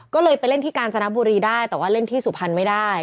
ก็เลยไปเล่นที่กาญจนบุรีได้แต่ว่าเล่นที่สุพรรณไม่ได้